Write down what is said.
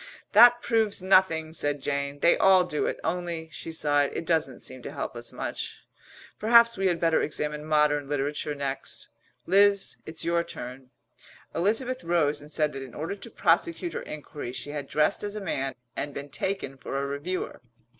"That proves nothing," said Jane. "They all do it. Only," she sighed, "it doesn't seem to help us much. Perhaps we had better examine modern literature next. Liz, it's your turn." Elizabeth rose and said that in order to prosecute her enquiry she had dressed as a man and been taken for a reviewer.